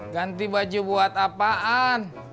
ganti baju buat apaan